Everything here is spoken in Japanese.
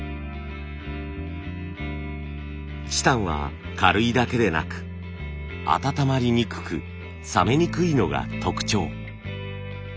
チタンは軽いだけでなく温まりにくく冷めにくいのが特徴。